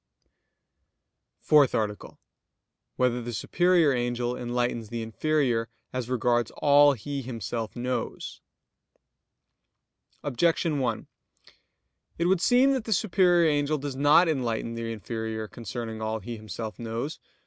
_______________________ FOURTH ARTICLE [I, Q. 106, Art. 4] Whether the Superior Angel Enlightens the Inferior As Regards All He Himself Knows? Objection 1: It would seem that the superior angel does not enlighten the inferior concerning all he himself knows.